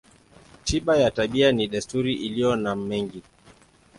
Tiba ya tabia ni desturi iliyo na mengi.